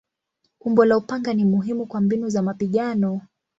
Umbo la upanga ni muhimu kwa mbinu za mapigano.